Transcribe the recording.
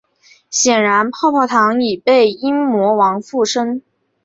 显然泡泡糖已被阴魔王附身。